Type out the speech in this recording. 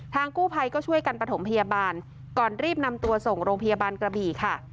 กู้ภัยก็ช่วยกันประถมพยาบาลก่อนรีบนำตัวส่งโรงพยาบาลกระบี่ค่ะ